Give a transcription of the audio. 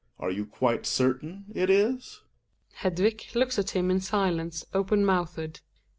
Are you quite certain it is ? Hedvig looks at him in silence, open mouthed.